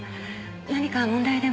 何か問題でも？